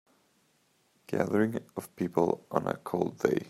Gathering of people on a cold day.